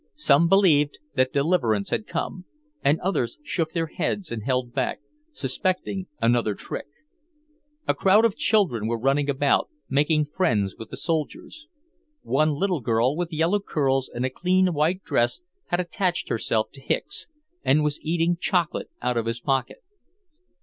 Some believed that deliverance had come, and others shook their heads and held back, suspecting another trick. A crowd of children were running about, making friends with the soldiers. One little girl with yellow curls and a clean white dress had attached herself to Hicks, and was eating chocolate out of his pocket.